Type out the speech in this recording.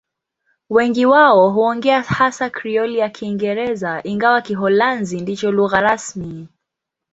Wengi wao huongea hasa Krioli ya Kiingereza, ingawa Kiholanzi ndicho lugha rasmi.